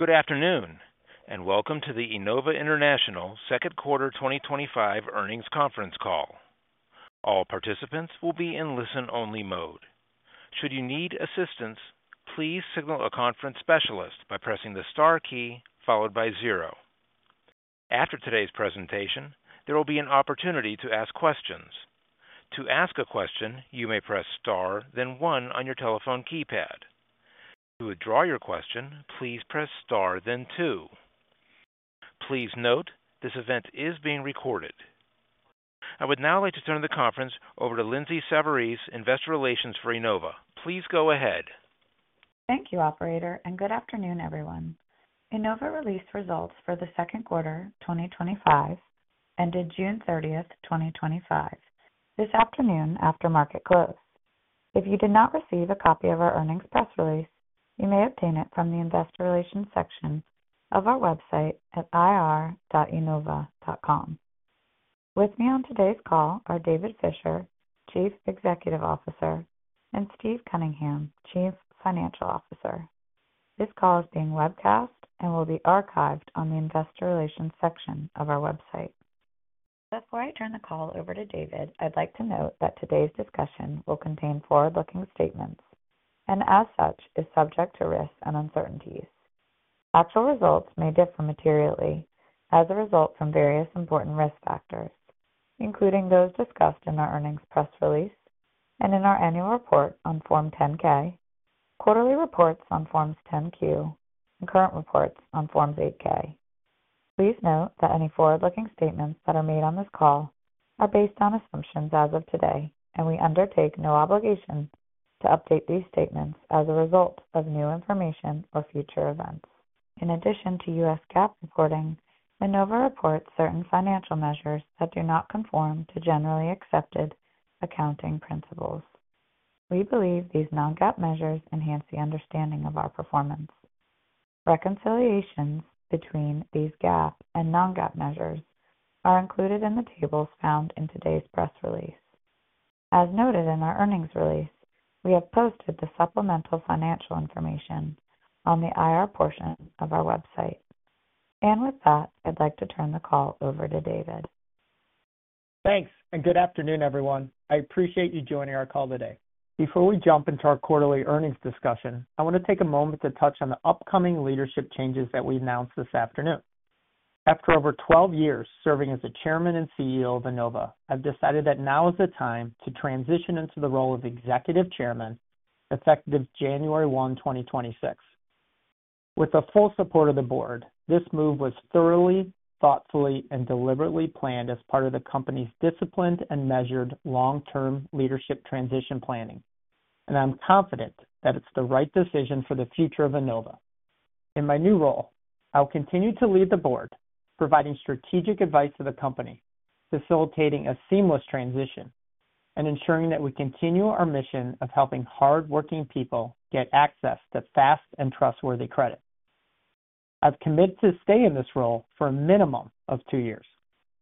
Good afternoon, and welcome to the Enova International Second Quarter twenty twenty five Earnings Conference Call. All participants will be in listen only mode. Should you need assistance, please signal a conference specialist by pressing the star key followed by zero. After today's presentation, there will be an opportunity to ask questions. Please note this event is being recorded. I would now like to turn the conference over to Lindsay Savarese, Investor Relations for Enova. Please go ahead. Thank you, operator, and good afternoon, everyone. Enova released results for the second quarter twenty twenty five ended 06/30/2025, this afternoon after market close. If you did not receive a copy of our earnings press release, you may obtain it from the Investor Relations section of our website at ir.enova.com. With me on today's call are David Fisher, Chief Executive Officer, and Steve Cunningham, Chief Financial Officer. This call is being webcast and will be archived on the Investor Relations section of our website. Before I turn the call over to David, I'd like to note that today's discussion will contain forward looking statements and, as such, is subject to risks and uncertainties. Actual results may differ materially as a result from various important risk factors, including those discussed in our earnings press release and in our annual report on Form 10 ks, quarterly reports on Forms 10 Q, and current reports on Forms eight ks. Please note that any forward looking statements that are made on this call are based on assumptions as of today, and we undertake no obligation to update these statements as a result of new information or future events. In addition to U. S. GAAP reporting, Minnova reports certain financial measures that do not conform to generally accepted accounting principles. We believe these non GAAP measures enhance the understanding of our performance. Reconciliations between these GAAP and non GAAP measures are included in the tables found in today's press release. As noted in our earnings release, we have posted the supplemental financial information on the IR portion of our website. And with that, I'd like to turn the call over to David. Thanks, and good afternoon, everyone. I appreciate you joining our call today. Before we jump into our quarterly earnings discussion, I want to take a moment to touch on the upcoming leadership changes that we announced this afternoon. After over twelve years serving as the chairman and CEO of Inova, I've decided that now is the time to transition into the role of executive chairman effective 01/01/2026. With the full support of the board, this move was thoroughly, thoughtfully, and deliberately planned as part of the company's disciplined and measured long term leadership transition planning, and I'm confident that it's the right decision for the future of Inova. In my new role, I'll continue to lead the board, providing strategic advice to the company, facilitating a seamless transition, and ensuring that we continue our mission of helping hardworking people get access to fast and trustworthy credit. I've committed to stay in this role for a minimum of two years.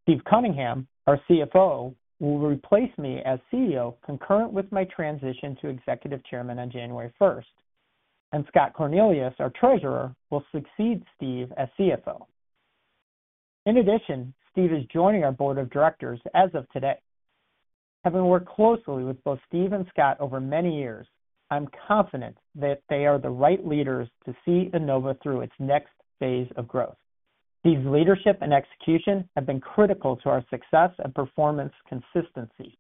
Steve Cunningham, our CFO, will replace me as CEO concurrent with my transition to executive chairman on January 1, and Scott Cornelius, our treasurer, will succeed Steve as CFO. In addition, Steve is joining our board of directors as of today. Having worked closely with both Steve and Scott over many years, I'm confident that they are the right leaders to see Enova through its next phase of growth. Steve's leadership and execution have been critical to our success and performance consistency.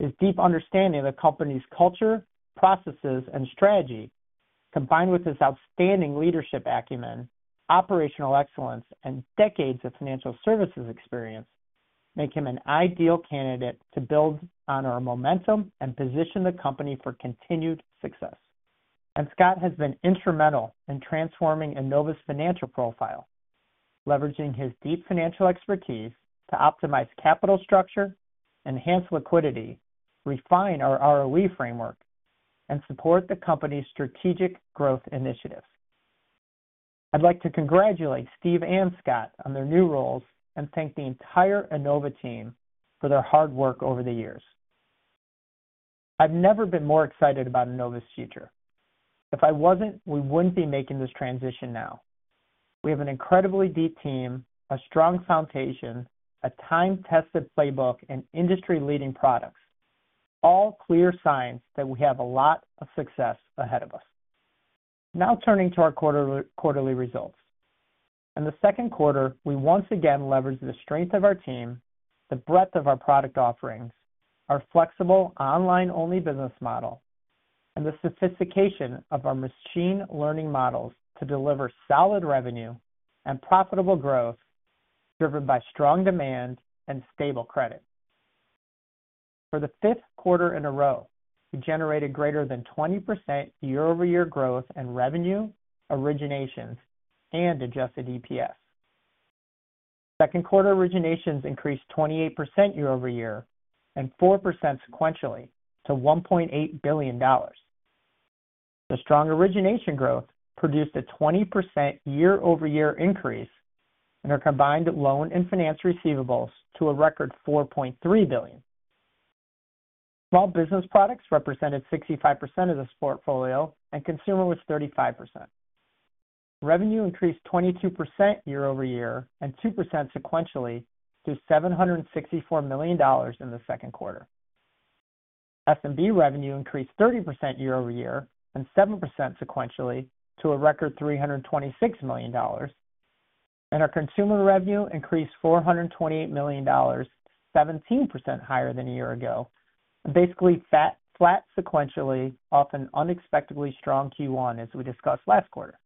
His deep understanding of the company's culture, processes, and strategy combined with his outstanding leadership acumen, operational excellence, and decades of financial services experience make him an ideal candidate to build on our momentum and position the company for continued success. And Scott has been instrumental in transforming Inova's financial profile, leveraging his deep financial expertise to optimize capital structure, enhance liquidity, refine our ROE framework, and support the company's strategic growth initiatives. I'd like to congratulate Steve and Scott on their new roles and thank the entire Inova team for their hard work over the years. I've never been more excited about Inova's future. If I wasn't, we wouldn't be making this transition now. We have an incredibly deep team, a strong foundation, a time tested playbook, and industry leading products, all clear signs that we have a lot of success ahead of us. Now turning to our quarterly results. In the second quarter, we once again leveraged the strength of our team, the breadth of our product offerings, our flexible online only business model, and the sophistication of our machine learning models to deliver solid revenue and profitable growth driven by strong demand and stable credit. For the fifth quarter in a row, we generated greater than 20% year over year growth in revenue, originations, and adjusted EPS. Second quarter originations increased 28% year over year and 4% sequentially to $1,800,000,000 The strong origination growth produced a 20% year over year increase in our combined loan and finance receivables to a record 4,300,000,000.0. Small business products represented 65% of this portfolio and consumer was 35%. Revenue increased 22% year over year and two percent sequentially to $764,000,000 in the second quarter. SMB revenue increased 30% year over year and 7% sequentially to a record $326,000,000 and our consumer revenue increased $428,000,000 17% higher than a year ago, basically flat sequentially off an unexpectedly strong Q1 as we discussed last quarter.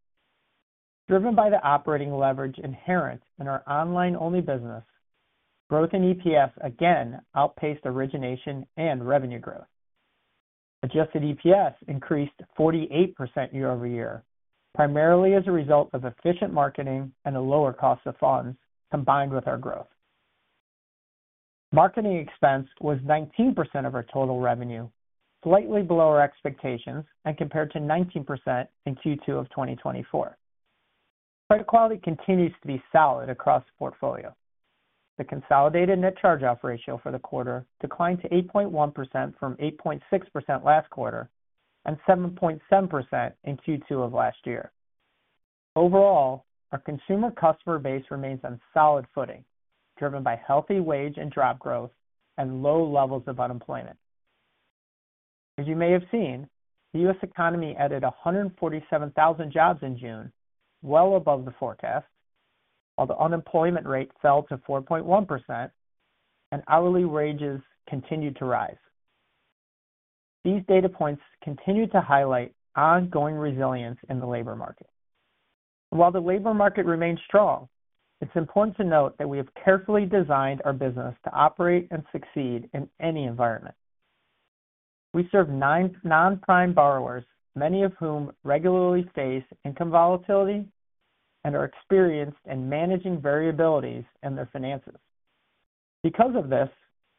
Driven by the operating leverage inherent in our online only business, growth in EPS again outpaced origination and revenue growth. Adjusted EPS increased 48% year over year, primarily as a result of efficient marketing and a lower cost of funds combined with our growth. Marketing expense was 19% of our total revenue, slightly below our expectations and compared to 19% in Q2 of twenty twenty four. Credit quality continues to be solid across the portfolio. The consolidated net charge off ratio for the quarter declined to 8.1% from point 6% last quarter and 7.7% in Q2 of last year. Overall, our consumer customer base remains on solid footing, driven by healthy wage and drop growth and low levels of unemployment. As you may have seen, The US economy added 147,000 jobs in June, well above the forecast, while the unemployment rate fell to 4.1%, and hourly wages continued to rise. These data points continue to highlight ongoing resilience in the labor market. While the labor market remains strong, it's important to note that we have carefully designed our business to operate and succeed in any environment. We serve non prime borrowers, many of whom regularly face income volatility and are experienced in managing variabilities in their finances. Because of this,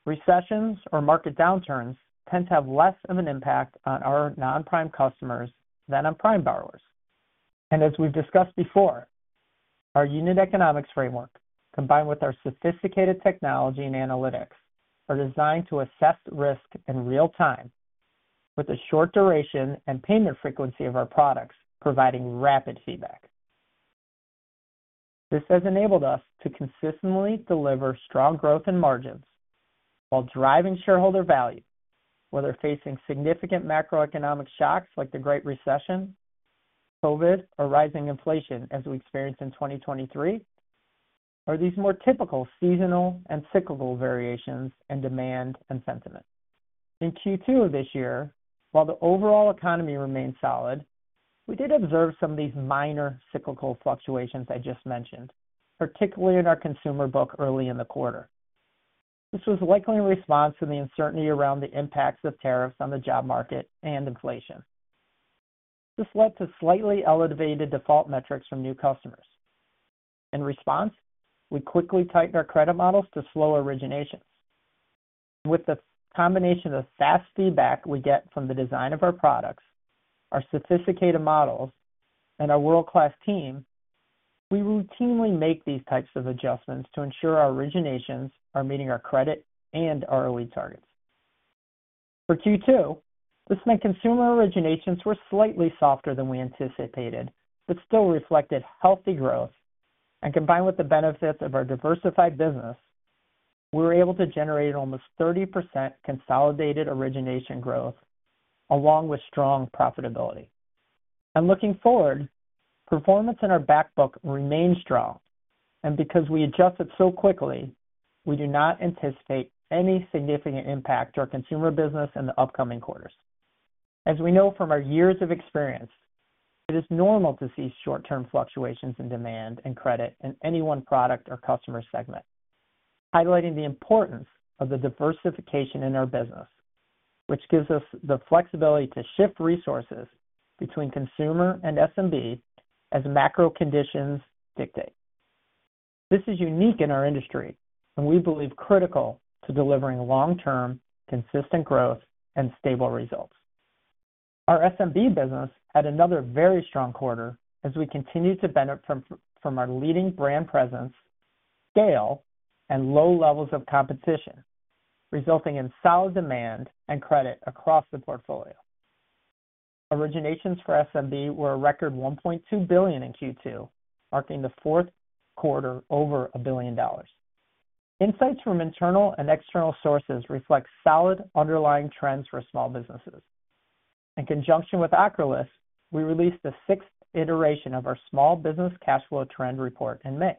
recessions or market downturns tend to have less of an impact on our non prime customers than on prime borrowers. And as we've discussed before, our unit economics framework, combined with our sophisticated technology and analytics, are designed to assess risk in real time with the short duration and payment frequency of our products providing rapid feedback. This has enabled us to consistently deliver strong growth in margins while driving shareholder value, whether facing significant macroeconomic shocks like the Great Recession, COVID, or rising inflation as we experienced in 2023, or these more typical seasonal and cyclical variations in demand and sentiment. In Q2 of this year, while the overall economy remained solid, we did observe some of these minor cyclical fluctuations I just mentioned, particularly in our consumer book early in the quarter. This was likely in response to the uncertainty around the impacts of tariffs on the job market and inflation. This led to slightly elevated default metrics from new customers. In response, we quickly tightened our credit models to slow originations. With the combination of fast feedback we get from the design of our products, our sophisticated models, and our world class team, we routinely make these types of adjustments to ensure our originations are meeting our credit and ROE targets. For Q2, this meant consumer originations were slightly softer than we anticipated, but still reflected healthy growth. And combined with the benefits of our diversified business, we were able to generate almost 30% consolidated origination growth along with strong profitability. And looking forward, performance in our back book remains strong, and because we adjusted so quickly, we do not anticipate any significant impact to our consumer business in the upcoming quarters. As we know from our years of experience, it is normal to see short term fluctuations in demand and credit in any one product or customer segment, highlighting the importance of the diversification in our business, which gives us the flexibility to shift resources between consumer and SMB as macro conditions dictate. This is unique in our industry, and we believe critical to delivering long term consistent growth and stable results. Our SMB business had another very strong quarter as we continue to benefit from our leading brand presence, scale, and low levels of competition, resulting in solid demand and credit across the portfolio. Originations for SMB were a record 1,200,000,000.0 in Q2, marking the fourth quarter over a billion dollars. Insights from internal and external sources reflect solid underlying trends for small businesses. In conjunction with Acrolis, we released the sixth iteration of our small business cash flow trend report in May.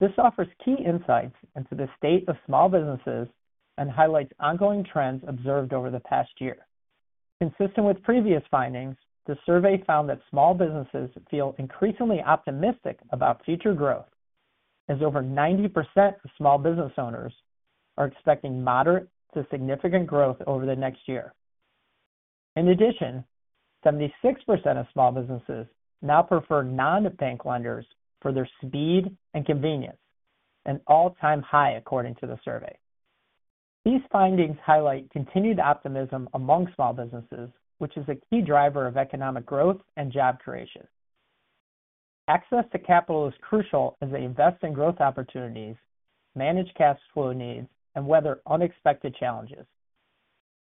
This offers key insights into the state of small businesses and highlights ongoing trends observed over the past year. Consistent with previous findings, the survey found that small businesses feel increasingly optimistic about future growth, as over 90% of small business owners are expecting moderate to significant growth over the next year. In addition, 76% of small businesses now prefer non bank lenders for their speed and convenience, an all time high according to the survey. These findings highlight continued optimism among small businesses, which is a key driver of economic growth and job creation. Access to capital is crucial as they invest in growth opportunities, manage cash flow needs, and weather unexpected challenges.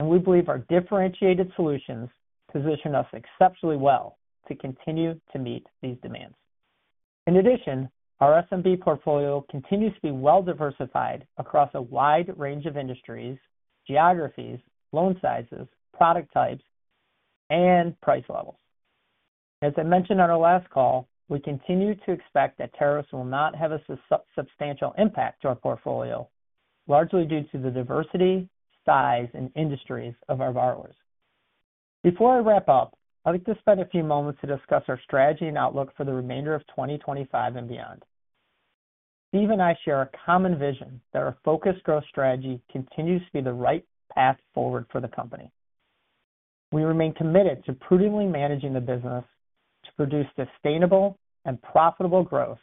We believe our differentiated solutions position us exceptionally well to continue to meet these demands. In addition, our SMB portfolio continues to be well diversified across a wide range of industries, geographies, loan sizes, product types, and price levels. As I mentioned on our last call, we continue to expect that tariffs will not have a substantial impact to our portfolio largely due to the diversity, size, and industries of our borrowers. Before I wrap up, I'd like to spend a few moments to discuss our strategy and outlook for the remainder of 2025 and beyond. Steve and I share a common vision that our focused growth strategy continues to be the right path forward for the company. We remain committed to prudently managing the business to produce sustainable and profitable growth,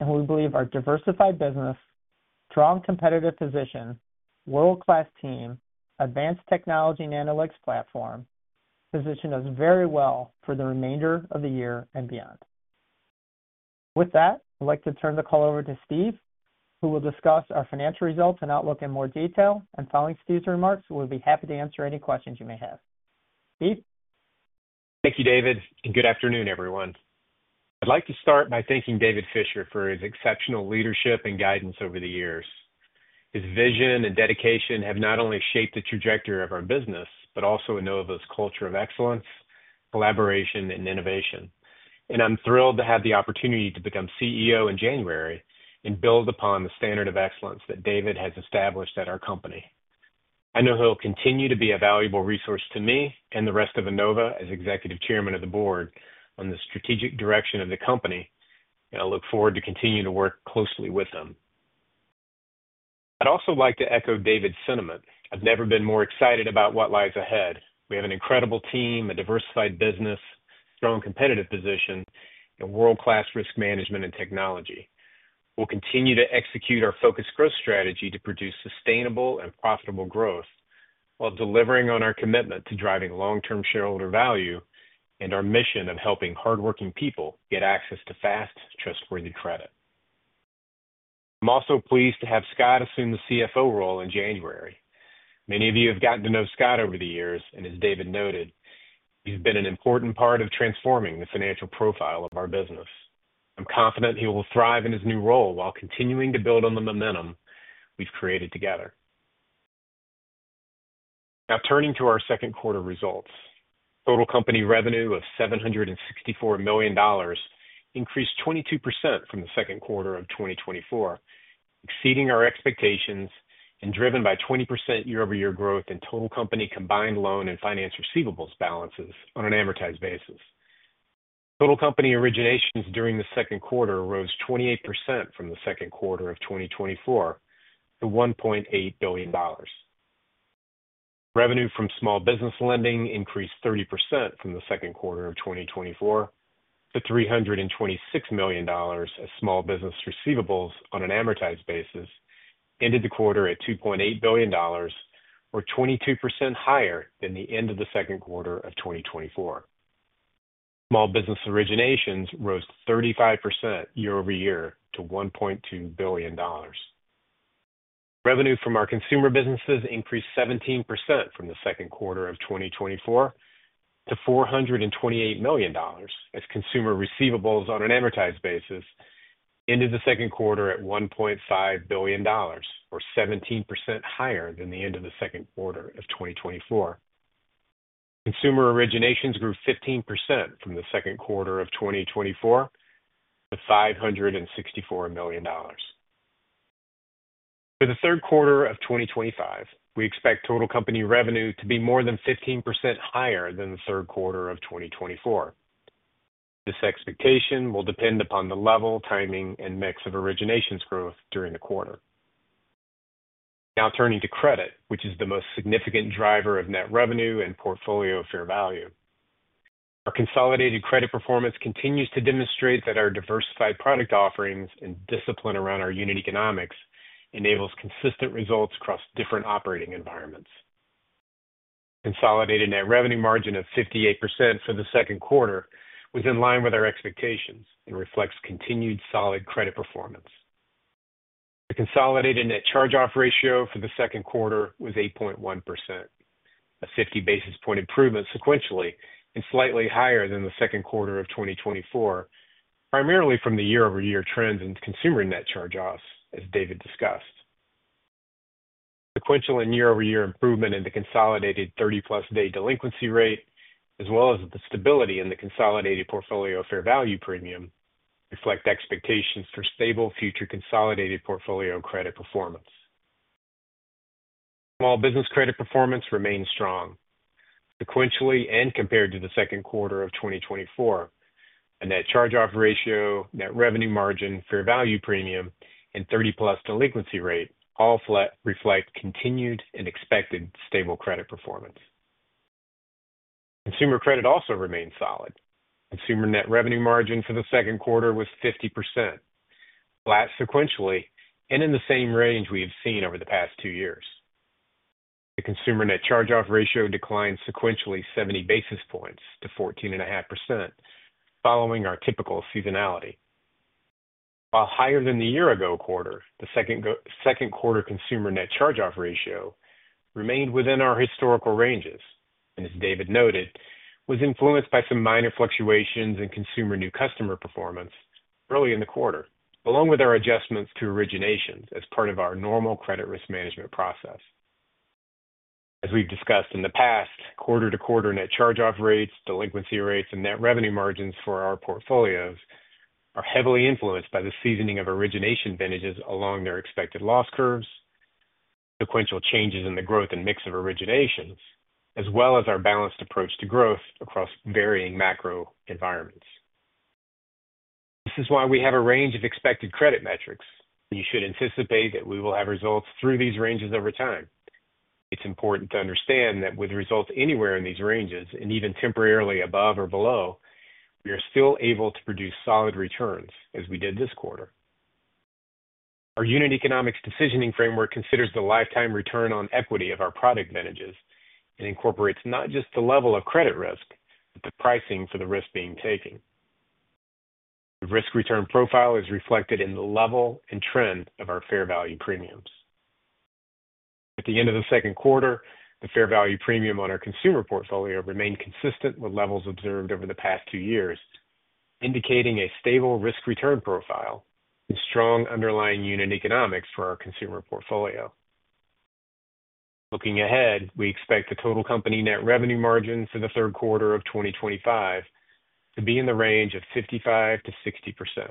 and we believe our diversified business, strong competitive position, world class team, advanced technology and analytics platform position us very well for the remainder of the year and beyond. With that, I'd like to turn the call over to Steve, who will discuss our financial results and outlook in more detail. And following Steve's remarks, we'll be happy to answer any questions you may have. Steve? Thank you, David, and good afternoon, everyone. I'd like to start by thanking David Fisher for his exceptional leadership and guidance over the years. His vision and dedication have not only shaped the trajectory of our business, but also Innova's culture of excellence, collaboration and innovation. And I'm thrilled to have the opportunity to become CEO in January and build upon the standard of excellence that David has established at our company. I know he'll continue to be a valuable resource to me and the rest of Inova as Executive Chairman of the Board on the strategic direction of the company, and I look forward to continue to work closely with them. I'd also like to echo David's sentiment. I've never been more excited about what lies ahead. We have an incredible team, a diversified business, strong competitive position, and world class risk management and technology. We'll continue to execute our focused growth strategy to produce sustainable and profitable growth, while delivering on our commitment to driving long term shareholder value and our mission of helping hardworking people get access to fast, trustworthy credit. I'm also pleased to have Scott assume the CFO role in January. Many of you have gotten to know Scott over the years and as David noted, he's been an important part of transforming the financial profile of our business. I'm confident he will thrive in his new role while continuing to build on the momentum we've created together. Now turning to our second quarter results. Total company revenue of $764,000,000 increased 22% from the second quarter of twenty twenty four, exceeding our expectations and driven by 20% year over year growth in total company combined loan and finance receivables balances on an amortized basis. Total company originations during the second quarter rose 28% from the 2024 to $1,800,000,000 Revenue from small business lending increased 30% from the 2024 to $326,000,000 as small business receivables on an amortized basis ended the quarter at $2,800,000,000 or 22% higher than the end of the second quarter of twenty twenty four. Small business originations rose 35% year over year to $1,200,000,000 Revenue from our consumer businesses increased 17% from the 2024 to $428,000,000 as consumer receivables on an amortized basis ended the second quarter at $1,500,000,000 or 17% higher than the end of the second quarter of twenty twenty four. Consumer originations grew 15% from the 2024 to $564,000,000 For the third quarter of twenty twenty five, we expect total company revenue to be more than 15% higher than the third quarter of twenty twenty four. This expectation will depend upon the level, timing and mix of originations growth during the quarter. Now turning to credit, which is the most significant driver of net revenue and portfolio fair value. Our consolidated credit performance continues to demonstrate that our diversified product offerings and discipline around our unit economics enables consistent results across different operating environments. Consolidated net revenue margin of 58% for the second quarter was in line with our expectations and reflects continued solid credit performance. The consolidated net charge off ratio for the second quarter was 8.1%, a 50 basis point improvement sequentially and slightly higher than the second quarter of twenty twenty four, primarily from the year over year trends and consumer net charge offs as David discussed. Sequential and year over year improvement in the consolidated thirty plus day delinquency rate, as well as the stability in the consolidated portfolio fair value premium reflect expectations for stable future consolidated portfolio credit performance. Small business credit performance remains strong sequentially and compared to the second quarter of twenty twenty four, and that charge off ratio, net revenue margin, fair value premium and 30 plus delinquency rate, all reflect continued and expected stable credit performance. Consumer credit also remained solid. Consumer net revenue margin for the second quarter was 50% flat sequentially and in the same range we have seen over the past two years. The consumer net charge off ratio declined sequentially 70 basis points to 14.5% following our typical seasonality. While higher than the year ago quarter, the second quarter consumer net charge off ratio remained within our historical ranges. And as David noted, was influenced by some minor fluctuations in consumer new customer performance early in the quarter, along with our adjustments to originations as part of our normal credit risk management process. As we've discussed in the past, quarter to quarter net charge off rates, delinquency rates and net revenue margins for our portfolios are heavily influenced by the seasoning of origination vintages along their expected loss curves, sequential changes in the growth and mix of originations, as well as our balanced approach to growth across varying macro environments. This is why we have a range of expected credit metrics. You should anticipate that we will have results through these ranges over time. It's important to understand that with results anywhere in these ranges and even temporarily above or below, we are still able to produce solid returns as we did this quarter. Our unit economics decisioning framework considers lifetime return on equity of our product vintages and incorporates not just the level of credit risk, but the pricing for the risk being taken. The risk return profile is reflected in the level and trend of our fair value premiums. At the end of the second quarter, the fair value premium on our consumer portfolio remained consistent with levels observed over the past two years, indicating a stable risk return profile and strong underlying unit economics for our consumer portfolio. Looking ahead, we expect the total company net revenue margins in the 2025 to be in the range of 55% to 60%.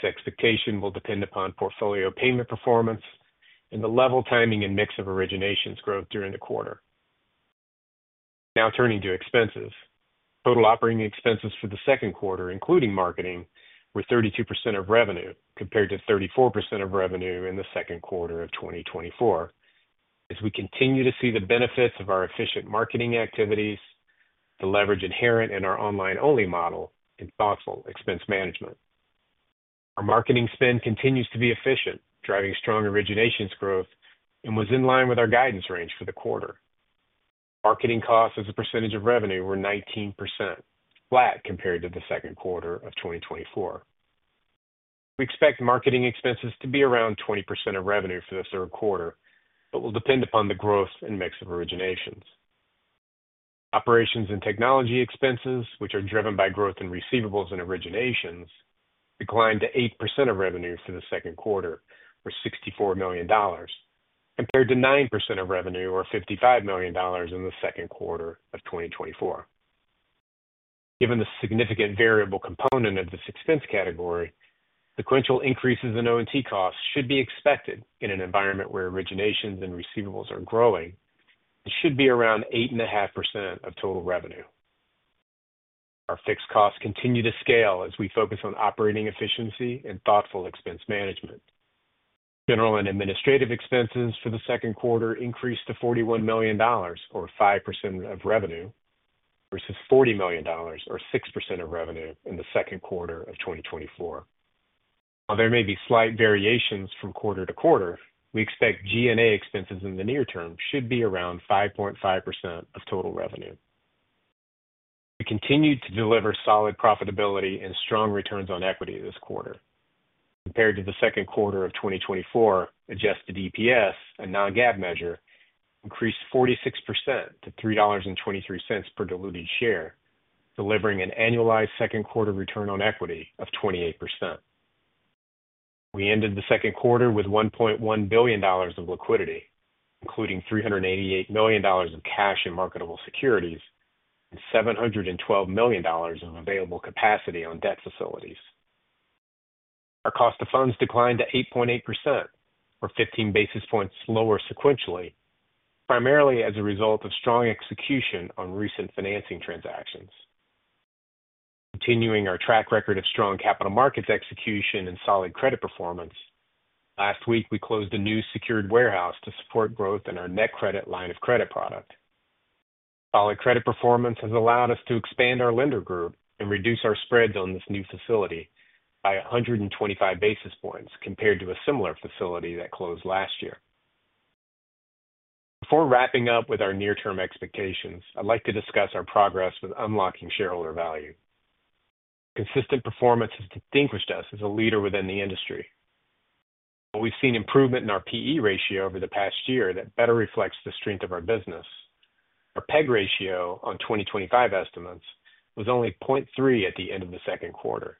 The expectation will depend upon portfolio payment performance and the level timing and mix of originations growth during the quarter. Now turning to expenses. Total operating expenses for the second quarter, including marketing, were 32% of revenue compared to 34% of revenue in the second quarter of twenty twenty four. As we continue to see the benefits of our efficient marketing activities, the leverage inherent in our online only model and thoughtful expense management. Our marketing spend continues to be efficient, driving strong originations growth and was in line with our guidance range for the quarter. Marketing costs as a percentage of revenue were 19%, flat compared to the second quarter of twenty twenty four. We expect marketing expenses to be around 20% of revenue for the third quarter, but will depend upon the growth and mix of originations. Operations and technology expenses, which are driven by growth in receivables and originations, declined to 8% of revenue for the second quarter or $64,000,000 compared to 9% of revenue or $55,000,000 in the second quarter of twenty twenty four. Given the significant variable component of this expense category, sequential increases in O and T costs should be expected in an environment where originations and receivables are growing. It should be around 8.5% of total revenue. Our fixed costs continue to scale as we focus on operating efficiency and thoughtful expense management. General and administrative expenses for the second quarter increased to $41,000,000 or 5% of revenue versus $40,000,000 or 6% of revenue in the second quarter of twenty twenty four. While there may be slight variations from quarter to quarter, we expect G and A expenses in the near term should be around 5.5% of total revenue. We continued to deliver solid profitability and strong returns on equity this quarter. Compared to the second quarter of twenty twenty four, adjusted EPS, a non GAAP measure, increased 46% to $3.23 per diluted share, delivering an annualized second quarter return on equity of 28%. We ended the second quarter with $1,100,000,000 of liquidity, including $388,000,000 of cash and marketable securities and $712,000,000 of available capacity on debt facilities. Our cost of funds declined to 8.8% or 15 basis points lower sequentially, primarily as a result of strong execution on recent financing transactions. Continuing our track record of strong capital markets execution and solid credit performance, last week we closed a new secured warehouse to support growth in our net credit line of credit product. Solid credit performance has allowed us to expand our lender group and reduce our spreads on this new facility by 125 basis points compared to a similar facility that closed last year. Before wrapping up with our near term expectations, I'd like to discuss our progress with unlocking shareholder value. Consistent performance has distinguished us as a leader within the industry. But we've seen improvement in our PE ratio over the past year that better reflects the strength of our business. Our PEG ratio on 2025 estimates was only 0.3 at the end of the second quarter.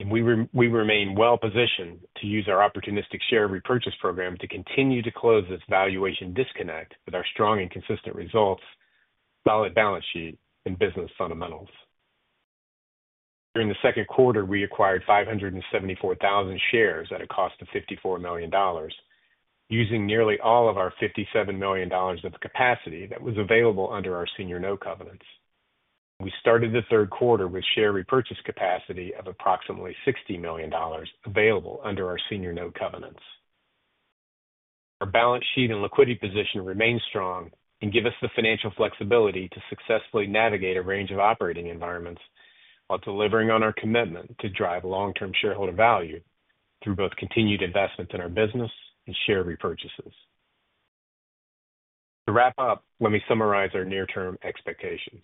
And we remain well positioned to use our opportunistic share repurchase program to continue to close this valuation disconnect with our strong and consistent results, solid balance sheet and business fundamentals. During the second quarter, we acquired 574,000 shares at a cost of $54,000,000 using nearly all of our $57,000,000 of capacity that was available under our senior note covenants. We started the third quarter with share repurchase capacity of approximately $60,000,000 available under our senior note covenants. Our balance sheet and liquidity position remains strong and give us the financial flexibility to successfully navigate a range of operating environments, while delivering on our commitment to drive long term shareholder value through both continued investments in our business and share repurchases. To wrap up, let me summarize our near term expectations.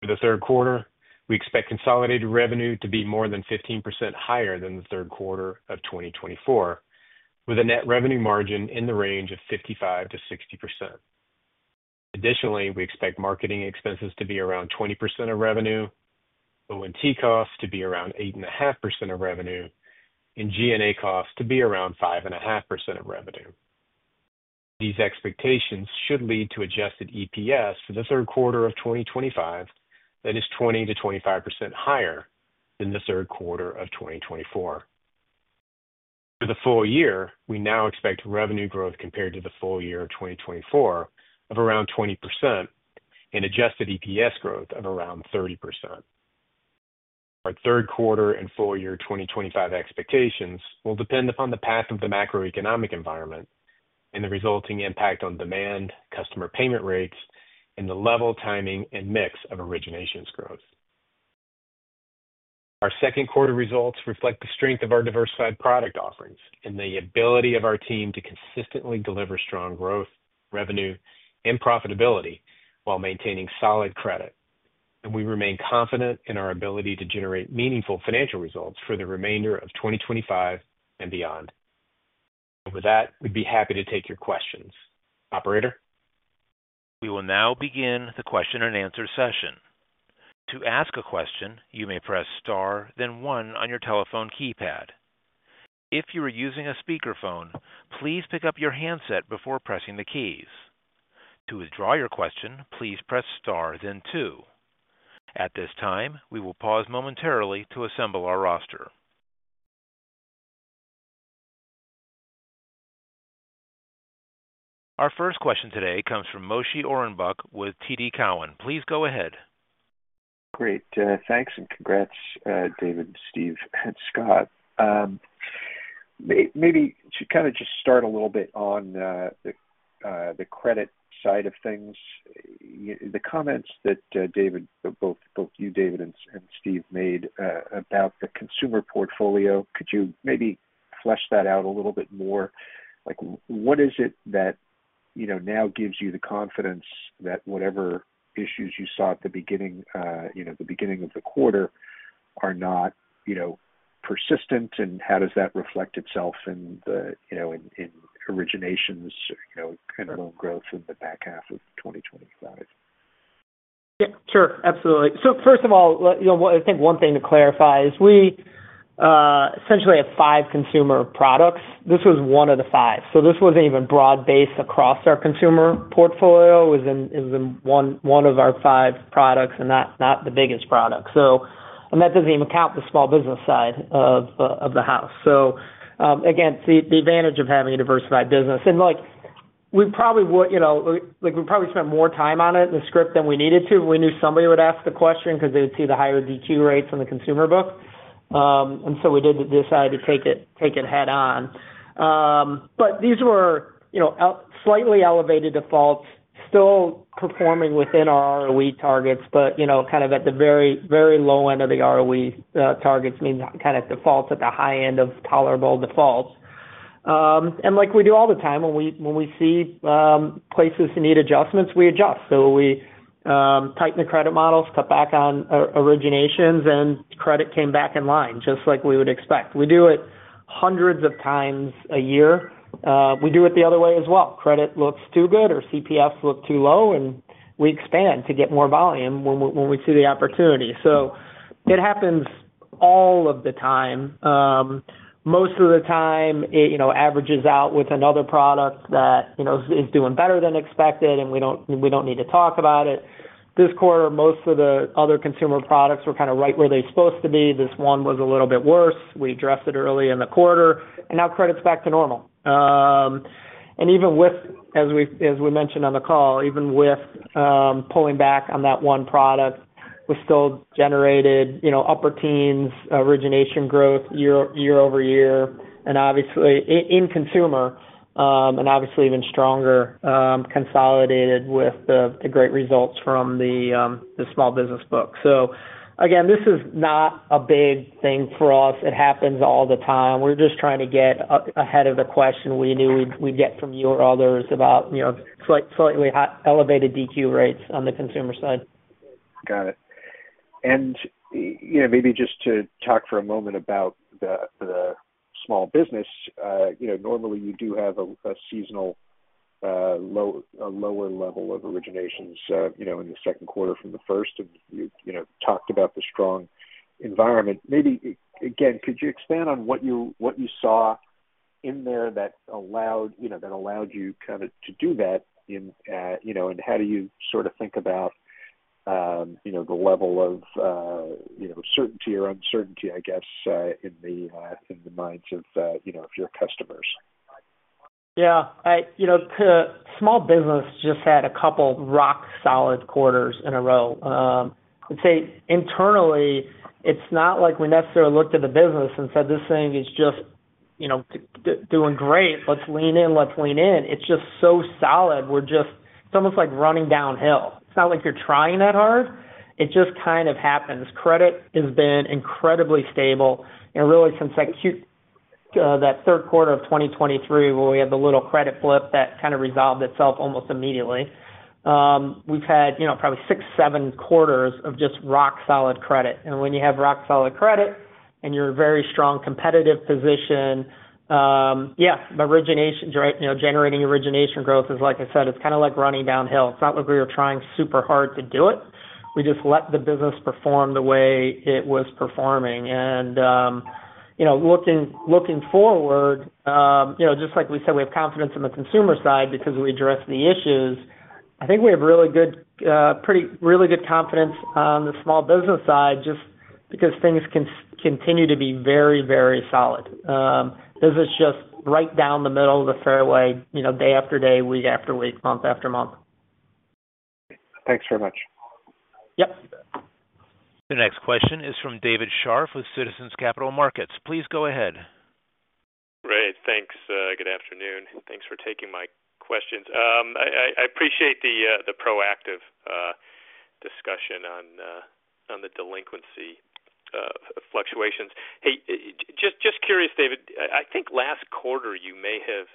For the third quarter, we expect consolidated revenue to be more than 15% higher than the third quarter of twenty twenty four, with a net revenue margin in the range of 55% to 60%. Additionally, we expect marketing expenses to be around 20% of revenue, ONT costs to be around 8.5 percent of revenue, and G and A costs to be around 5.5% of revenue. These expectations should lead to adjusted EPS for the 2025 that is 20% to 25% higher than the third quarter of twenty twenty four. For the full year, we now expect revenue growth compared to the full year of 2024 of around 20% and adjusted EPS growth of around 30%. Our third quarter and full year 2025 expectations will depend upon the path of the macroeconomic environment and the resulting impact on demand, customer payment rates and the level timing and mix of originations growth. Our second quarter results reflect the strength of our diversified product offerings and the ability of our team to consistently deliver strong growth, revenue and profitability while maintaining solid credit. And we remain confident in our ability to generate meaningful financial results for the remainder of 2025 and beyond. With that, we'd be happy to take your questions. Operator? We will now begin the question and answer session. If you are using a speakerphone, please pick up your handset before pressing the keys. To withdraw your question, please press then 2. At this time, we will pause momentarily to assemble our roster. Our first question today comes from Moshe Orenbuch with TD Cowen. Please go ahead. Great. Thanks and congrats David, Steve and Scott. Maybe to kind of just start a little bit on the credit side of things, the comments that David, both you David and Steve made about the consumer portfolio, could you maybe flesh that out a little bit more? Like what is it that now gives you the confidence that whatever issues you saw at the beginning of the quarter are not persistent and how does that reflect itself in originations kind of growth in the back half of twenty twenty five? Yes, sure, absolutely. So, of all, think one thing to clarify is we essentially have five consumer products. This was one of the five. So this wasn't even broad based across our consumer portfolio. It in one of our five products and not the biggest product. So that doesn't even count the small business side of the house. So again, the advantage of having a diversified business. And like we probably spent more time on it in the script than we needed to. We knew somebody would ask the question because they would see the higher ZQ rates in the consumer book. And so we did decide to take it head on. But these were slightly elevated defaults, still performing within our ROE targets, but kind of at the very low end of the ROE targets, I mean, kind of defaults at the high end of tolerable defaults. And like we do all the time, when we see places who need adjustments, we adjust. So we tighten the credit models, cut back on originations and credit came back in line, just like we would expect. We do it hundreds of times a year. We do it the other way as well. Credit looks too good or CPFs look too low, and we expand to get more volume when we see the opportunity. So it happens all of the time. Most of the time, it averages out with another product that is doing better than expected and we don't need to talk about it. This quarter, most of the other consumer products were kind of right where they're supposed to be. This one was a little bit worse. We addressed it early in the quarter, and now credit is back to normal. And even with as we mentioned on the call, even with pulling back on that one product, we still generated upper teens origination growth year over year and obviously in consumer, and obviously even stronger consolidated with the great results from the small business book. So again, this is not a big thing for us. It happens all the time. We're just trying to get ahead of the question we knew we'd get from you or others about slightly elevated DQ rates on the consumer side. Got it. And maybe just to talk for a moment about the small business, normally you do have a seasonal lower level of originations in the second quarter from the first and you talked about the strong environment. Maybe again, you expand on what you saw in there that allowed you know, that allowed you kind of to do that in, you know, and how do you sort of think about, you know, the level of, you know, certainty or uncertainty, I guess, in the in the minds of, you know, of your customers? Yeah. Small business just had a couple rock solid quarters in a row. I would say, internally, it's not like we necessarily looked at the business and said, this thing is just doing great. Let's lean in, let's lean in. It's just so solid. We're just it's almost like running downhill. It's not like you're trying that hard. It just kind of happens. Credit has been incredibly stable. And really, since that third quarter of twenty twenty three, where we had the little credit blip that kind of resolved itself almost immediately, we've had probably six, seven quarters of just rock solid credit. And when you have rock solid credit and you're in a very strong competitive position, yes, generating origination growth is, like I said, it's kind of like running downhill. It's not like we were trying super hard to do it. We just let the business perform the way it was performing. And looking forward, just like we said, we have confidence in the consumer side because we address the issues. I think we have really good really good confidence on the small business side just because things can continue to be very, very solid. This is just right down the middle of the fairway day after day, week after week, month after month. Thanks very much. Yes. The next question is from David Scharf with Citizens Capital Markets. Please go ahead. Great. Thanks. Good afternoon. Thanks for taking my questions. I appreciate the proactive discussion on the delinquency fluctuations. Hey, just curious, David, I think last quarter you may have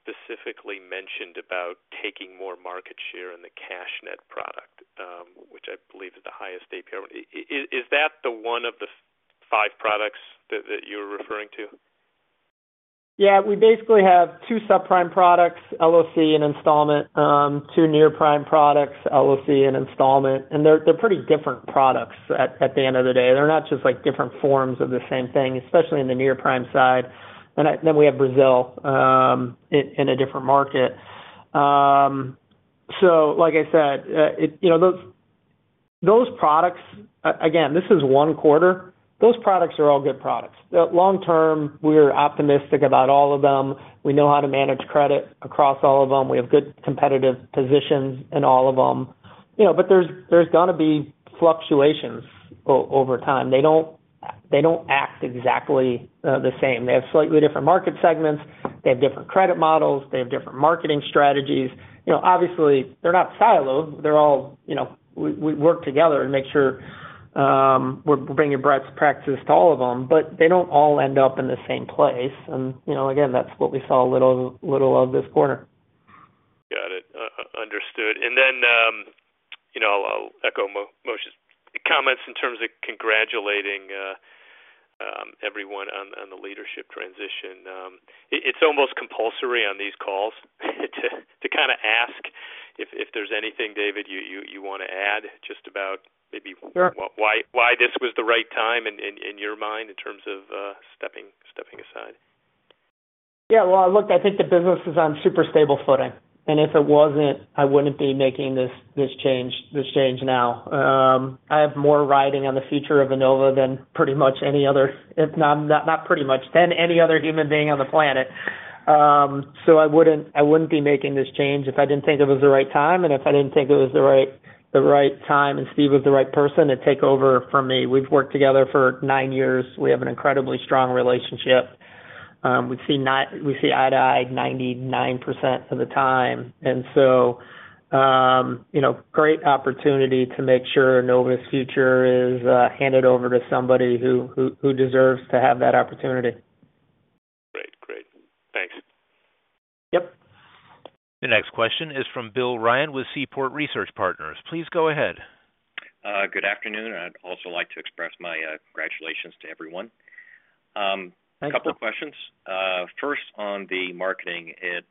specifically mentioned about taking more market share in the cash net product, which I believe is the highest APR. Is that the one of the five products that you're referring to? Yeah. We basically have two subprime products, LOC and installment, two near prime products, LOC and installment. And they're pretty different products the end of the day. They're not just like different forms of the same thing, especially in the near prime side. And then we have Brazil in a different market. So like I said, those products again, this is one quarter. Those products are all good products. Long term, we are optimistic about all of them. We know how to manage credit across all of them. We have good competitive positions in all of them. But there's going to be fluctuations over time. They don't act exactly the same. They have slightly different market segments. They have different credit models. They have different marketing strategies. Obviously, they're not siloed. They're all we work together and make sure we're bringing best practices to all of them, but they don't all end up in the same place. And again, that's what we saw a little of this quarter. Got it. Understood. And then I'll echo Moshe's comments in terms of congratulating everyone on the leadership transition. It's almost compulsory on these calls to kind of ask if there's anything, David, you want to add just about maybe why this was the right time in your mind in terms of stepping aside? Yes. Well, look, I think the business is on super stable footing. And if it wasn't, I wouldn't be making this change now. I have more riding on the future of Inova than pretty much any other, if not pretty much, than any other human being on the planet. So I wouldn't be making this change if I didn't think it was the right time and if I didn't think it was the right time and Steve was the right person to take over for me. We've worked together for nine years. We have an incredibly strong relationship. We see eye to eye 99% of the time. And so, great opportunity to make sure Nova's future is handed over to somebody who deserves to have that opportunity. Great, great. Thanks. Yep. The next question is from Bill Ryan with Seaport Research Partners. Please go ahead. Good afternoon. I'd also like to express my congratulations to everyone. Thank A couple of questions. On the marketing, it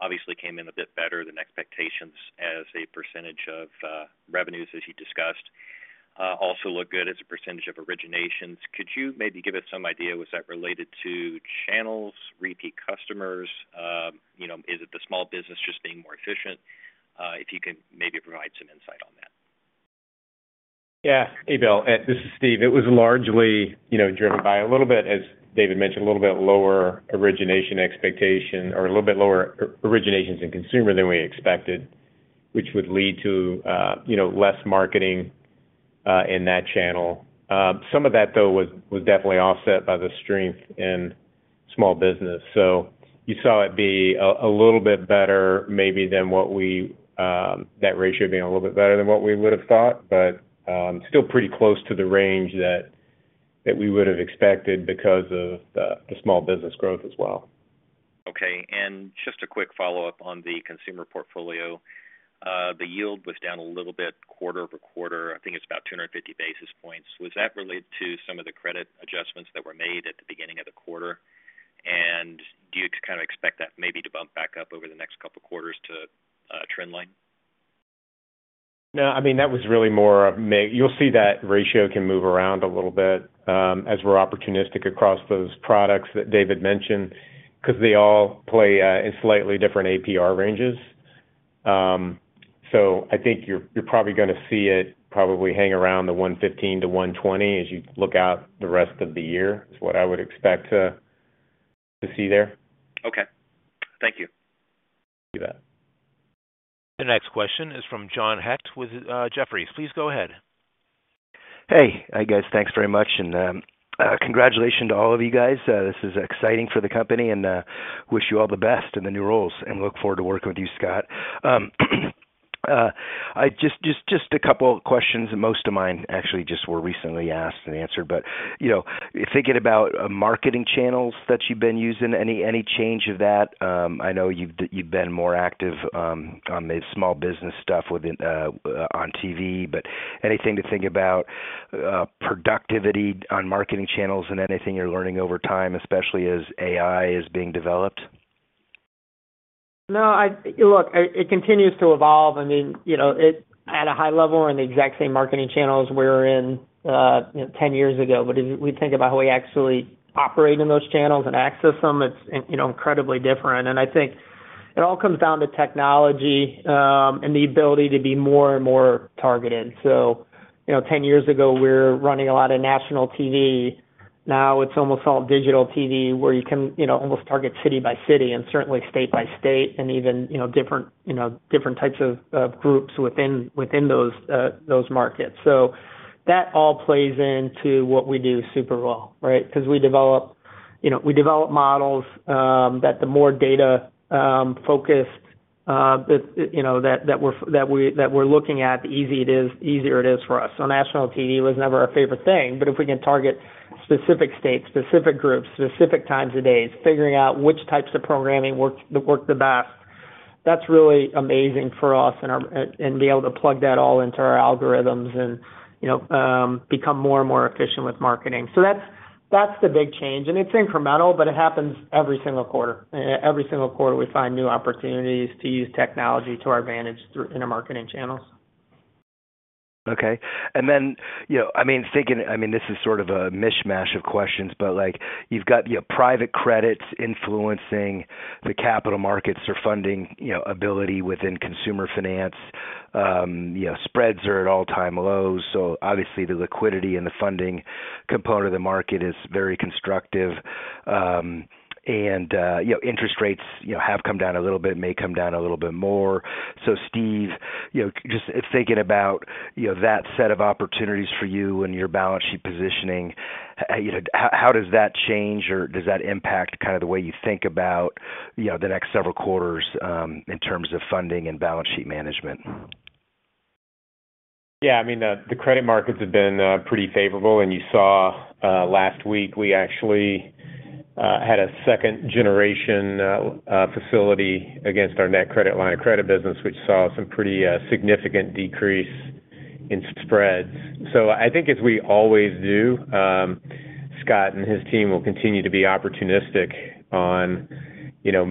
obviously came in a bit better than expectations as a percentage of revenues as you discussed. Also look good as a percentage of originations. You maybe give us some idea, was that related to channels, repeat customers? Is it the small business just being more efficient? If you can maybe provide some insight on that. Yeah. Hey, Bill. This is Steve. It was largely driven by a little bit, as David mentioned, a little bit lower origination expectation or a little bit lower originations in consumer than we expected, which would lead to less marketing in that channel. Some of that though was definitely offset by the strength in small business. So, you saw it be a little bit better maybe than what we that ratio being a little bit better than what we would have thought, but still pretty close to the range that we would have expected because of the small business growth as well. Okay, and just a quick follow-up on the consumer portfolio. The yield was down a little bit quarter over quarter, I think it's about two fifty basis points. Was that related to some of the credit adjustments that were made at the beginning of the quarter? And do you kind of expect that maybe to bump back up over the next couple of quarters to trend line? No. I mean, that was really more of you'll see that ratio can move around a little bit as we're opportunistic across those products that David mentioned, because they all play in slightly different APR ranges. So I think you're you're probably gonna see it probably hang around the one fifteen to one twenty as you look out the rest of the year is what I would expect to to see there. Okay. Thank you. You bet. The next question is from John Hecht with Jefferies. Please go ahead. Hey. Hi, guys. Thanks very much and congratulation to all of you guys. This is exciting for the company and wish you all the best in the new roles and look forward to working with you, Scott. Just a couple of questions and most of mine actually just were recently asked and answered but you know thinking about marketing channels that you've been using any change of that? I know you've been more active on the small business stuff within on TV, but anything to think about productivity on marketing channels and anything you're learning over time, especially as AI is being developed? No. Look, it continues to evolve. I mean, at a high level, we're in the exact same marketing channels we're in ten years ago. But as we think about how we actually operate in those channels and access them, it's incredibly different. And I think it all comes down to technology and the ability to be more and more targeted. So ten years ago, we were running a lot of national TV. Now, it's almost all digital TV, where you can almost target city by city and certainly state by state and even different types of groups within those markets. So that all plays into what we do super well, because we develop models that the more data focused that we're looking at, the easier it is for us. So, TV was never our favorite thing. But if we can target specific states, specific groups, specific times of days, figuring out which types of programming work the best, that's really amazing for us and be able to plug that all into our algorithms and become more and more efficient with marketing. So that's the big change. And it's incremental, but it happens every single quarter. Every single quarter, we find new opportunities to use technology to our advantage through intermarketing channels. Okay. And then mean thinking I mean this is sort of a mishmash of questions, but like you've got your private credits influencing the capital markets or funding ability within consumer finance. Spreads are at all time lows. So obviously the liquidity and the funding component of the market is very constructive. Interest rates have come down a little bit, may come down a little bit more. So Steve, just thinking about that set of opportunities for you and your balance sheet positioning, how does that change or does that impact kind of the way you think about the next several quarters in terms of funding and balance sheet management? Yes. I mean, the credit markets have been pretty favorable. And you saw last week, we actually had a second generation facility against our net credit line of credit business, which saw some pretty significant decrease in spreads. So, I think as we always do, Scott and his team will continue to be opportunistic on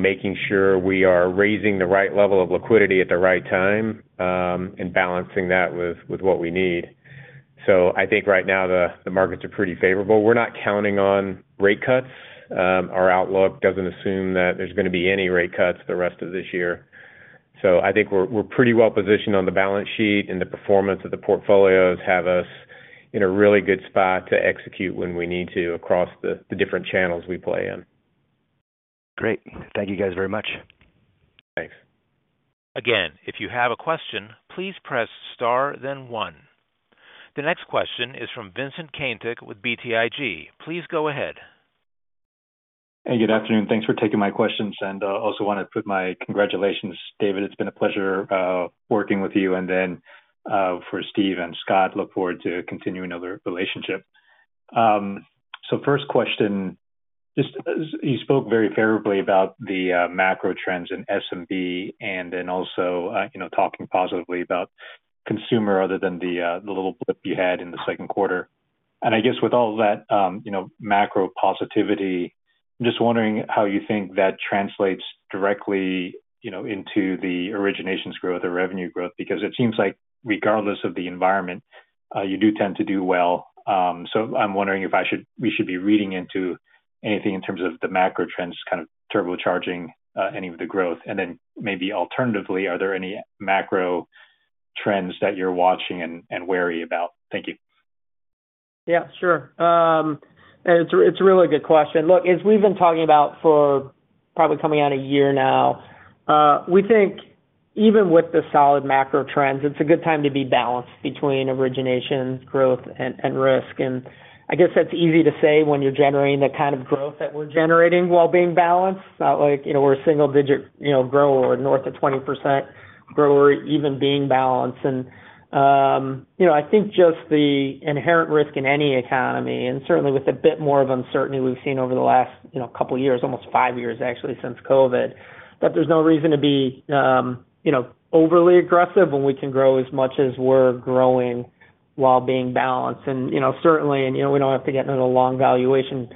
making sure we are raising the right level of liquidity at the right time and balancing that with what we need. So, I think right now the markets are pretty favorable. We're not counting on rate cuts. Our outlook doesn't assume that there's going to be any rate cuts the rest of this year. So, I think we're pretty well positioned on the balance sheet and the performance of the portfolios have us in a really good spot to execute when we need to across the different channels we play in. Great. Thank you guys very much. Thanks. The next question is from Vincent Caintic with BTIG. Please go ahead. Hey, good afternoon. Thanks for taking my questions. And I also want to put my congratulations, David. It's been a pleasure working with you. And then for Steve and Scott, look forward to continuing other relationship. So first question, just you spoke very favorably about the macro trends in SMB and then also talking positively about consumer other than the little blip you had in the second quarter. And I guess with all that macro positivity, just wondering how you think that translates directly into the originations growth or revenue growth because it seems like regardless of the environment, you do tend to do well. So I'm wondering if I should we should be reading into anything in terms of the macro trends kind of turbocharging any of the growth. And then maybe alternatively, are there any macro trends that you're watching and wary about? Thank you. Yes, sure. It's a really good question. Look, as we've been talking about for probably coming out a year now, we think even with the solid macro trends, it's a good time to be balanced between originations, growth and risk. And I guess that's easy to say when you're generating the kind of growth that we're generating while being balanced, not like we're a single digit grower or north of 20% grower even being balanced. I think just the inherent risk in any economy and certainly with a bit more of uncertainty we've seen over the last couple of years, almost five years actually since COVID, that there's no reason to be overly aggressive when we can grow as much as we're growing while being balanced. Certainly, we don't have to get into the long valuation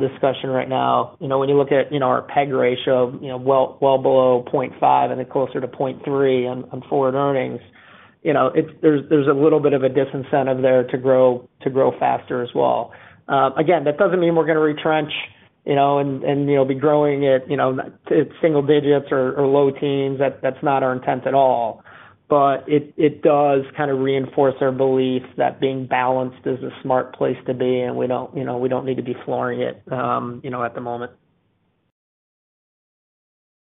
discussion right now. When you look at our PEG ratio of well below 0.5 and closer to 0.3 on forward earnings, there's a little bit of a disincentive there to grow faster as well. Again, that doesn't mean we're going to retrench and be growing at single digits or low teens. That's not our intent at all. But it does reinforce our belief that being balanced is a smart place to be, and we need to be flooring it at the moment.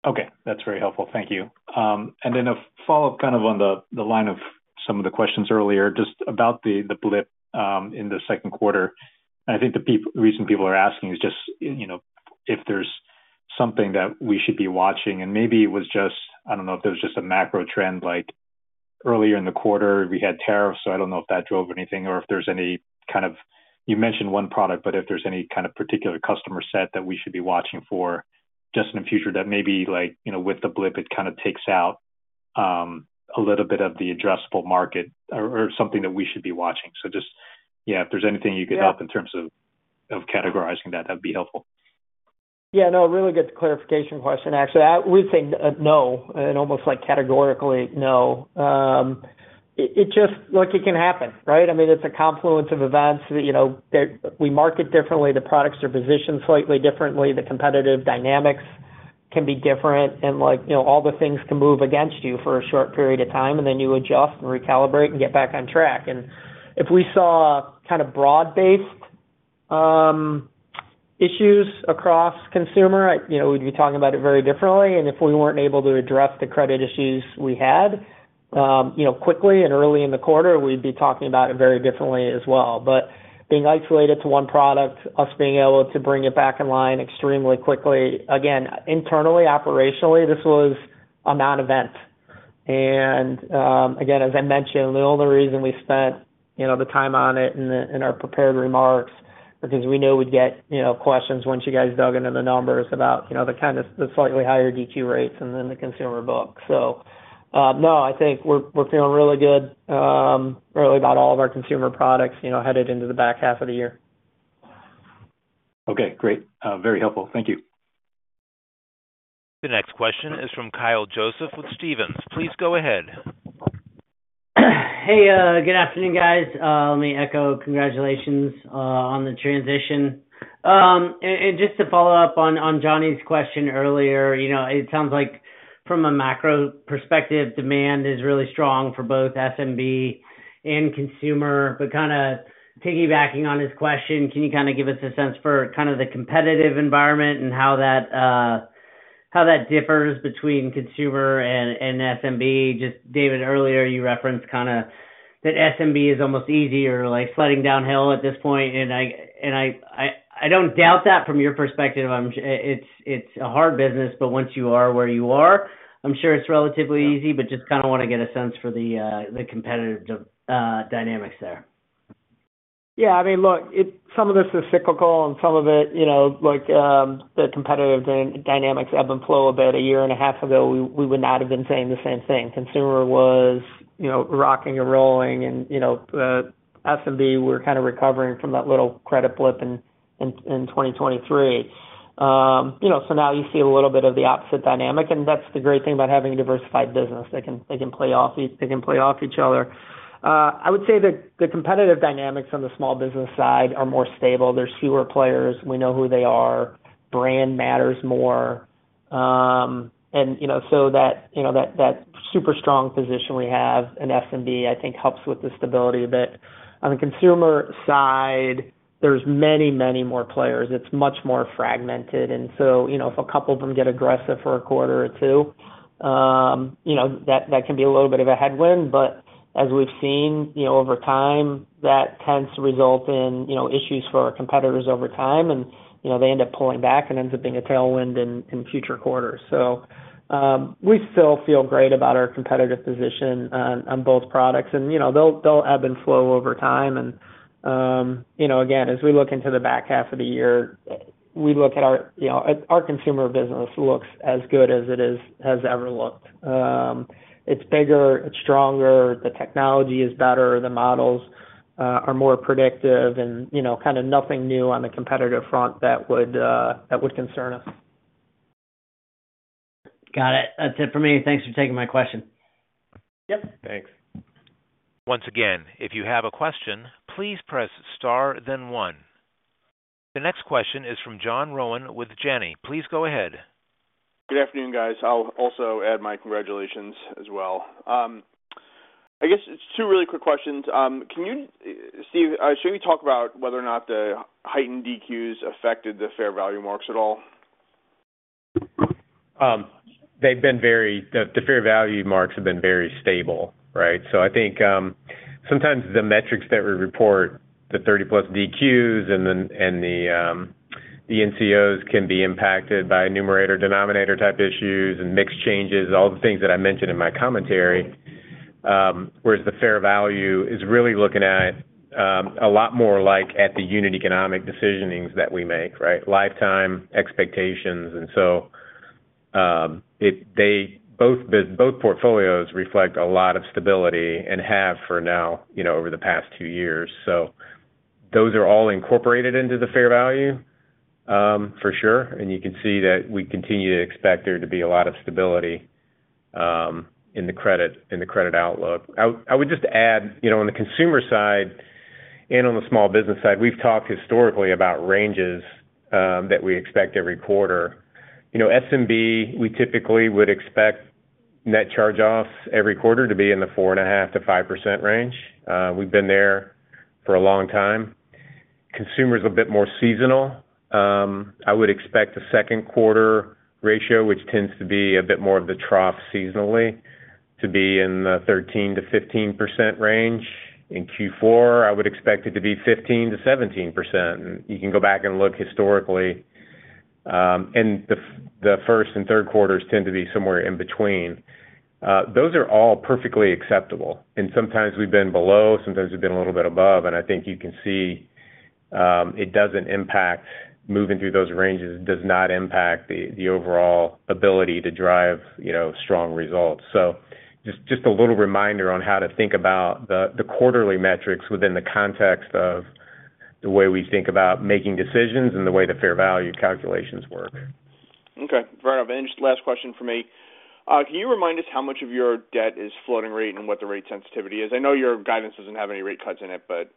Okay. That's very helpful. Thank you. And then a follow-up kind of on the line of some of the questions earlier, just about the blip in the second quarter. I think the reason people are asking is just if there's something that we should be watching and maybe it was just, I don't know if there was just a macro trend like earlier in the quarter, we had tariffs. So I don't know if that drove anything or if there's any kind of, you mentioned one product, but if there's any kind of particular customer set that we should be watching for just in the future that maybe like with the blip, it kind of takes out a little bit of the addressable market or something that we should be watching. So just yeah, if there's anything you could help in terms of categorizing that, that'd be helpful. Yeah. No, really good clarification question, actually. We'd say no, and almost like categorically, no. Just look, it can happen, right? I mean, it's a confluence of events. Market differently. The products are positioned slightly differently. The competitive dynamics can be different. And all the things can move against you for a short period of time, and then you adjust and recalibrate and get back on track. And if we saw kind of broad based issues across consumer, we'd be talking about it very differently. And if we weren't able to address the credit issues we had quickly and early in the quarter, we'd be talking about it very differently as well. But being isolated to one product, us being able to bring it back in line extremely quickly, again, internally, operationally, this was a non event. And again, as I mentioned, the only reason we spent the time on it in our prepared remarks is because we knew we'd get questions once you guys dug into the numbers about the slightly higher DQ rates and then the consumer book. So no, I think we're feeling really good really about all of our consumer products headed into the back half of the year. Okay, great. Very helpful. Thank you. The next question is from Kyle Joseph with Stephens. Please go ahead. Hey, good afternoon, guys. Let me echo congratulations on the transition. And just to follow-up on Johnny's question earlier, it sounds like from a macro perspective, demand is really strong for both SMB and consumer, but kind of piggybacking on his question, can you kind of give us a sense for kind of the competitive environment and how that differs between consumer and SMB. Just David earlier you referenced kind of that SMB is almost easier like sliding downhill at this point. And I don't doubt that from your perspective. It's a hard business, but once you are where you are, I'm sure it's relatively easy, but just kind of want to get a sense for the competitive dynamics there. Yeah. I mean, look, some of this is cyclical and some of it, like the competitive dynamics ebb and flow about a year and a half ago, we would not have been saying the same thing. Consumer was rocking and rolling and SMB were kind of recovering from that little credit blip in 2023. So now you see a little bit of the opposite dynamic, and that's the great thing about having a diversified business. They can play off each other. I would say that the competitive dynamics on the small business side are more stable. There's fewer players. We know who they are. Brand matters more. And so that super strong position we have in SMB, I think, helps with the stability a bit. On the consumer side, there's many, many more players. It's much more fragmented. And so if a couple of them get aggressive for a quarter or two, that can be a little bit of a headwind. But as we've seen over time, that tends to result in issues for our competitors over time, and they end up pulling back and ends up being a tailwind in future quarters. So we still feel great about our competitive position on both products, and they'll ebb and flow over time. And again, as we look into the back half of the year, we look at our our consumer business looks as good as it has ever looked. It's bigger, it's stronger, the technology is better, the models are more predictive and kind of nothing new on the competitive front that would concern us. Got it. That's it for me. Thanks for taking my question. Yep. Thanks. The next question is from John Rowan with Janney. Please go ahead. Good afternoon, guys. I'll also add my congratulations as well. I guess it's two really quick questions. Can you Steve, should we talk about whether or not the heightened DQs affected the fair value marks at all? They've been very the fair value marks have been very stable. Right? So I think sometimes the metrics that we report, the 30 plus DQs and the NCOs can be impacted by numerator denominator type issues and mix changes, all the things that I mentioned in my commentary. Whereas the fair value is really looking at a lot more like at the unit economic decisioning that we make, Life time expectations and so they both portfolios reflect a lot of stability and have for now over the past two years. So those are all incorporated into the fair value for sure. And you can see that we continue to expect there to be a lot of stability in credit outlook. I would just add, on the consumer side and on the small business side, we've talked historically about ranges that we expect every quarter. SMB, we typically would expect net charge offs every quarter to be in the 4.5% to 5% range. We've been there for a long time. Consumer is a bit more seasonal. I would expect the second quarter ratio, which tends to be a bit more of the trough seasonally, to be in the 13% to 15% range. In Q4, I would expect it to be 15% to 17%. You can go back and look historically. And the first and third quarters tend to be somewhere in between. Those are all perfectly acceptable. And sometimes we've been below, sometimes we've been a little bit above, and I think you can see it doesn't impact moving through those ranges, does not impact the overall ability to drive strong results. So, just a little reminder on how to think about the quarterly metrics within the context of the way we think about making decisions and the way the fair value calculations work. Okay. Fair enough. And just last question for me. Can you remind us how much of your debt is floating rate and what the rate sensitivity is? I know your guidance doesn't have any rate cuts in it, but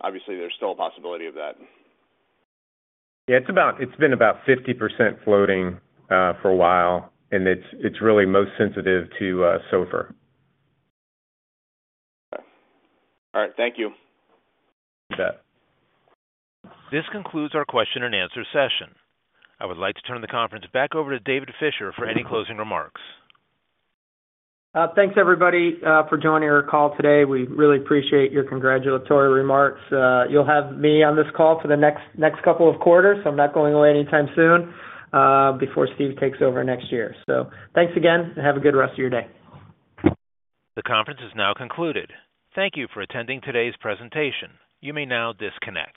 obviously there's still a possibility of that. Yeah. It's been about 50% floating for a while, and it's really most sensitive to SOFR. All right. Thank you. You bet. This concludes our question and answer session. I would like to turn the conference back over to David Fisher for any closing remarks. Thanks everybody for joining our call today. We really appreciate your congratulatory remarks. You'll have me on this call for the next couple of quarters. I'm not going away anytime soon before Steve takes over next year. So thanks again and have a good rest of your day. The conference has now concluded. Thank you for attending today's presentation. You may now disconnect.